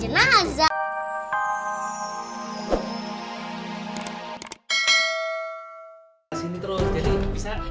buat mandiin jenazah